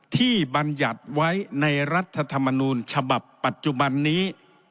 บรรยัติไว้ในรัฐธรรมนูญฉบับปัจจุบันนี้